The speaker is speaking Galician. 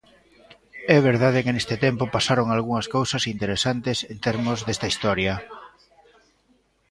É verdade que neste tempo pasaron algunhas cousas interesantes en termos desta historia.